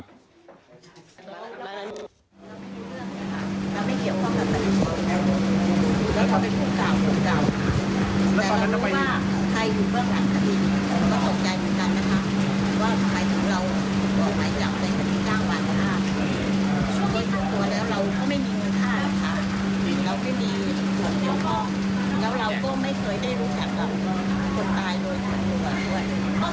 เผื่อเพิ่งมารู้พวกแท้จริงแล้วมันมีจริง